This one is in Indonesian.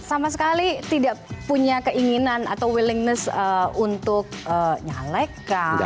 sama sekali tidak punya keinginan atau willingness untuk nyalekan